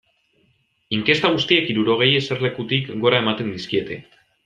Inkesta guztiek hirurogei eserlekutik gora ematen dizkiete.